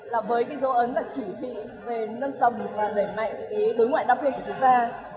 là với cái dấu ấn là chỉ thị về nâng cầm và đẩy mạnh đối ngoại đặc biệt của chúng ta